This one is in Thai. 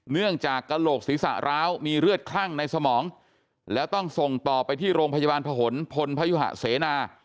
เนื่องจากกระโหลกศีรษะร้าวมีเลือดคลั่งในสมองแล้วต้องส่งต่อไปที่โรงพยาบาลผนพลพยุหะเสนา